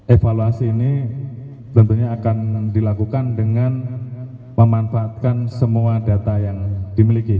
evaluasi ini tentunya akan dilakukan dengan memanfaatkan semua data yang dimiliki